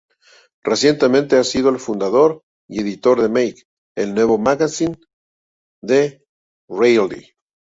Recientemente ha sido el fundador y editor de Make, el nuevo magazine de O'Reilly.